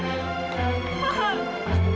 sekarang juga pergi